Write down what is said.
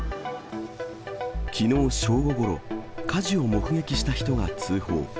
きのう正午ごろ、火事を目撃した人が通報。